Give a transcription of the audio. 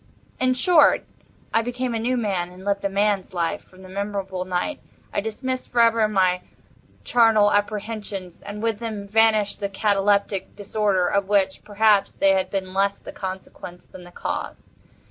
In short, I became a new man, and lived a man's life. From that memorable night, I dismissed forever my charnel apprehensions, and with them vanished the cataleptic disorder, of which, perhaps, they had been less the consequence than the cause.